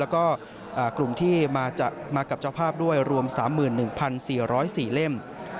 แล้วก็กลุ่มที่มากับเจ้าภาพด้วยรวม๓๑๔๐๔เล่ม